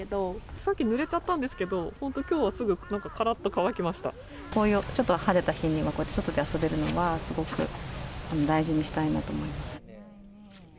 さっき、ぬれちゃったんですけど、本当、きょうはすぐ、こういうちょっと晴れた日には、外で遊べるのは、すごく大事にしたいなと思います。